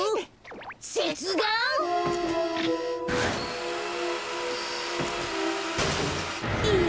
せつだん？